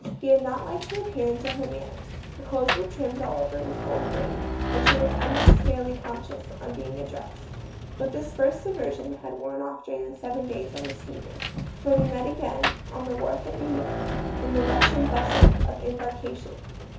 He had not liked her appearance or her manners ; her clothes were trimmed all over with gold braid, and she looked unnecessarily conscious on being ad dressed ; but this first aversion had worn off during the seven days on the steamer, for they met again on the wharf at New York, in the rush and bustle of embarkation. 172 THE STORY OF A MODERN WOMAN.